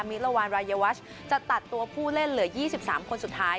มิลวานรายวัชจะตัดตัวผู้เล่นเหลือ๒๓คนสุดท้าย